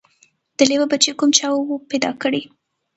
د لېوه بچی کوم چا وو پیدا کړی